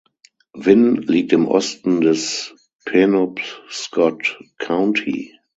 Winn liegt im Osten des Penobscot County.